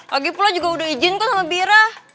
lagi pula juga udah izin kok sama mira